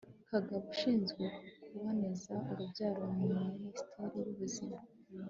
kagabo, ushinzwe kuboneza urubyaro muri minisiteri y'ubuzima